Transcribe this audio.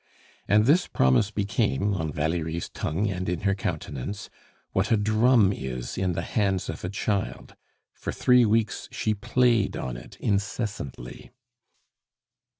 And this promise became, on Valerie's tongue and in her countenance, what a drum is in the hands of a child; for three weeks she played on it incessantly.